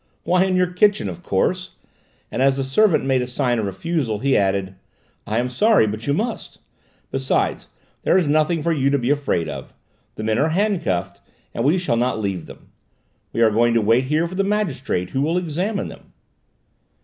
Why, in your kitchen, of course," and as the servant made a sign of refusal, he added: "I am sorry, but you must; besides, there's nothing for you to be afraid of; the men are handcuffed, and we shall not leave them. We are going to wait here for the magistrate who will examine them."